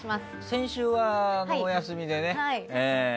先週はお休みでね。